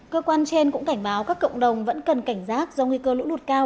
cơ quan trên cũng cảnh báo các cộng đồng vẫn cần cảnh giác do nguy cơ lũ lụt cao